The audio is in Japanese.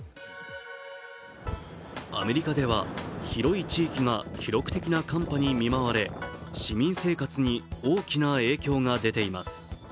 アメリカでは広い地域が記録的な寒波に見舞われ、市民生活に大きな影響が出ています。